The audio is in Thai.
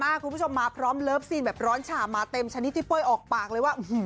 คุณผู้ชมมาพร้อมเลิฟซีนแบบร้อนฉ่ามาเต็มชนิดที่เป้ยออกปากเลยว่า